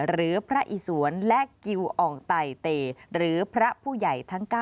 หรือพระอิสวนและกิวอ่องไตเตหรือพระผู้ใหญ่ทั้ง๙